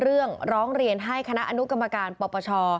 ร้องเรียนให้คณะอนุกรรมการปปช